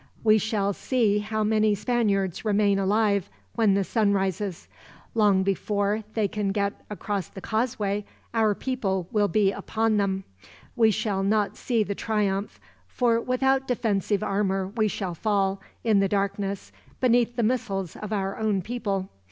"We shall see how many Spaniards remain alive, when the sun rises. Long before they can get across the causeway, our people will be upon them. We shall not see the triumph, for without defensive armor we shall fall, in the darkness, beneath the missiles of our own people.